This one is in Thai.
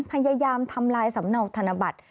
พยายามทำลายสำเนาธนบัตร